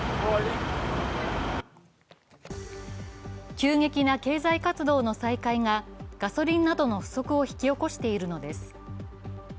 急激な経済活動の再開がガソリンなどの不足を引き起こしているのです。